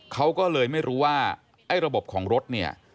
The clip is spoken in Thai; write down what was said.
เขาก็เลยไม่รู้ว่าไอ้ระบบของรถเนี่ย